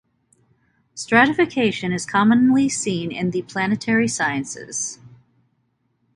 Stratification is commonly seen in the planetary sciences.